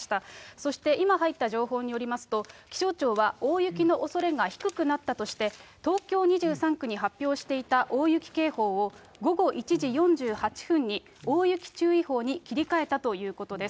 そして今入った情報によりますと、気象庁は大雪のおそれが低くなったとして、東京２３区に発表していた大雪警報を、午後１時４８分に大雪注意報に切り替えたということです。